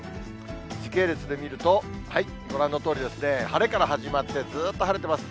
時系列でみると、ご覧のとおりですね、晴れから始まって、ずーっと晴れてます。